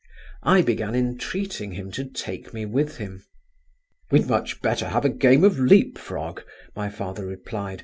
I began entreating him to take me with him. "We'd much better have a game of leap frog," my father replied.